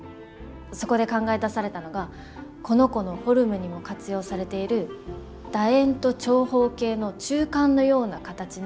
そこで考え出されたのがこの子のフォルムにも活用されている楕円と長方形の中間のような形の。